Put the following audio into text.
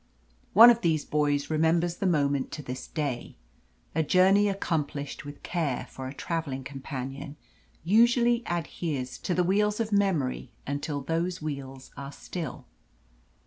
One of these boys remembers the moment to this day. A journey accomplished with Care for a travelling companion usually adheres to the wheels of memory until those wheels are still.